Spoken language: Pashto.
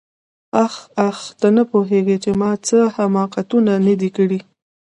آخ آخ ته نه پوهېږې چې ما څه حماقتونه نه دي کړي.